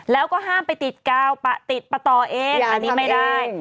แล้วก็ห้ามไปติดกาวปะติดประต่อเองอันนี้ไม่ได้